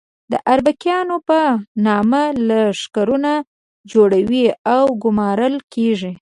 د اربکیانو په نامه لښکرونه جوړوي او ګومارل کېږي.